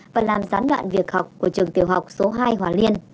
và làm gián đoạn việc học của trường tiểu học số hai hòa liên